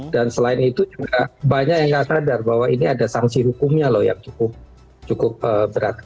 dan selain itu juga banyak yang gak sadar bahwa ini ada sanksi hukumnya loh yang cukup berat